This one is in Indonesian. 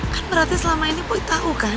kan berarti selama ini boy tau kan